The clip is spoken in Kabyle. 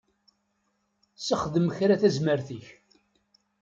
Sexdem kra tazmert-ik.